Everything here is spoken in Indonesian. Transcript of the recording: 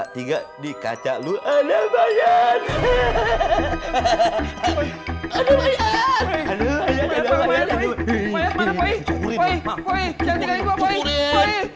tiga di kaca lu ada banyak hahaha ada banyak ada banyak banyak banyak banyak banyak banyak